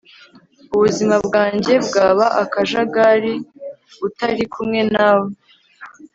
ubuzima bwanjye bwaba akajagari utari kumwe nawe